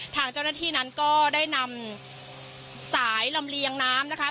ทางเจ้าหน้าที่นั้นก็ได้นำสายลำเลียงน้ำนะคะ